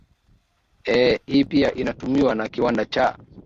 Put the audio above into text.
ee hii pia inatumiwa na kiwanda cha